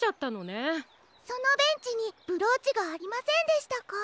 そのベンチにブローチがありませんでしたか？